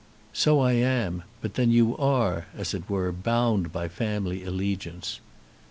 "So I am. But then you are, as it were, bound by family allegiance."